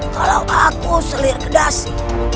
kalau aku selir kedah si